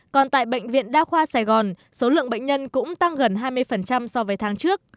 còn tại bệnh viện đa khoa sài gòn số lượng bệnh nhân cũng tăng gần hai mươi so với tháng trước